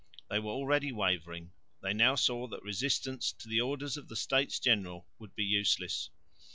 They were already wavering; they now saw that resistance to the orders of the States General would be useless.